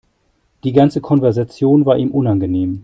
Die ganze Konversation war ihm unangenehm.